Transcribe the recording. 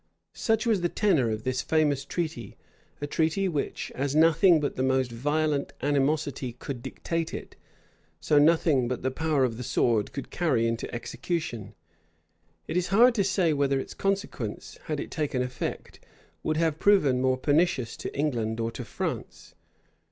Such was the tenor of this famous treaty; a treaty which, as nothing but the most violent animosity could dictate it, so nothing but the power of the sword could carry into execution. It is hard to say whether its consequences, had it taken effect, would have proved more pernicious to England or to France.